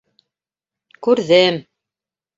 Күрҙем.